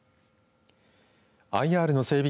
ＩＲの整備